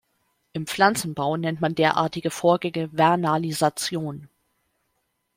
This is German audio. Im Pflanzenbau nennt man derartige Vorgänge Vernalisation.